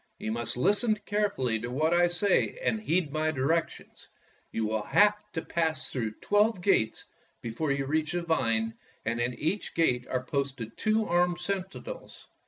You must listen carefully to what I say and heed my directions. You will have to pass through twelve gates before you reach the vine, and at each gate are posted two armed sentinels.